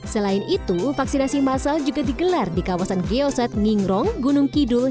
selain itu vaksinasi masal juga digelar di kawasan geoset ngingrong gunung kidul